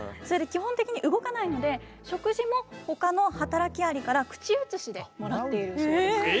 それで基本的に動かないので食事も他の働きアリから口移しでもらっているそうです。